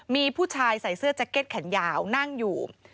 มีผู้ชายใส่เสื้อแจ็คเก็ตแขนยาวนั่งอยู่